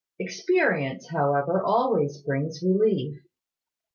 Experience, however, always brings relief.